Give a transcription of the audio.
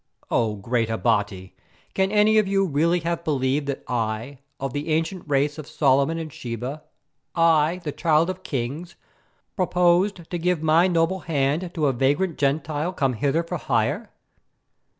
O great Abati, can any of you really have believed that I, of the ancient race of Solomon and Sheba, I, the Child of Kings, purposed to give my noble hand to a vagrant Gentile come hither for hire?